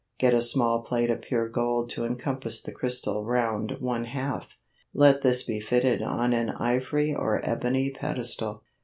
Get a small plate of pure gold to encompass the crystal round one half; let this be fitted on an ivory or ebony pedestal.